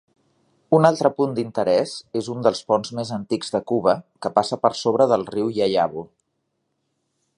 Un altre punt d'interès és un dels ponts més antics de Cuba que passa per sobre del riu Yayabo.